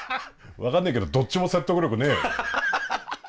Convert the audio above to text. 分かんねえけどどっちも説得力ねえよ。